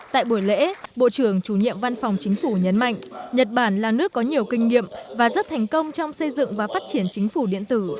tại buổi lễ bộ trưởng chủ nhiệm văn phòng chính phủ nhấn mạnh nhật bản là nước có nhiều kinh nghiệm và rất thành công trong xây dựng và phát triển chính phủ điện tử